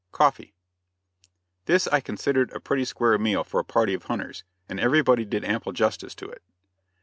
COFFEE. This I considered a pretty square meal for a party of hunters, and everybody did ample justice to it.